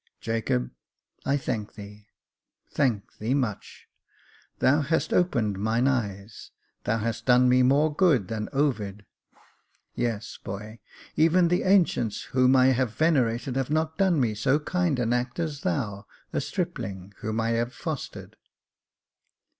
" Jacob, I thank thee — thank thee much ; thou hast J.F. T 290 Jacob Faithful opened mine eyes — thou hast done me more good than Ovid. Yes, boy; even the ancients, whom I have vener ated, have not done me so kind an act as thou, a stripling, whom I have fostered.